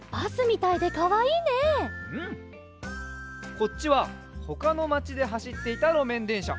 こっちはほかのまちではしっていたろめんでんしゃ。